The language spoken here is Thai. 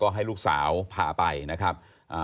ให้ลูกสาวพาไปนะครับ